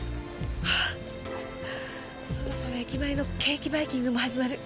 そろそろ駅前のケーキバイキングも始まる。